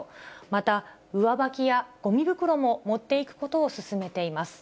また、上履きやごみ袋も持っていくことを勧めています。